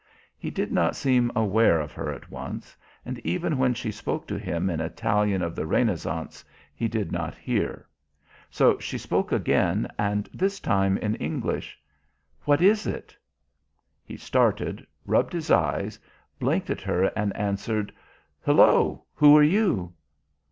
He did not seem aware of her at once, and even when she spoke to him in Italian of the Renaissance he did not hear. So she spoke again and this time in English: "What is it?" He started, rubbed his eyes, blinked at her and answered: "Hullo, who are you?"